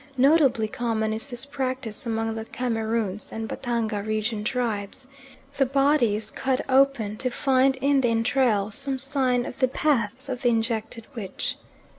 Notably common is this practice among the Cameroons and Batanga region tribes. The body is cut open to find in the entrails some sign of the path of the injected witch.